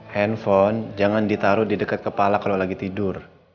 handphone jangan ditaruh di deket kepala kalo lagi tidur